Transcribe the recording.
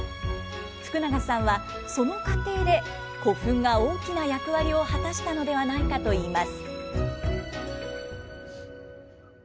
福永さんは、その過程で古墳が大きな役割を果たしたのではないかといいます。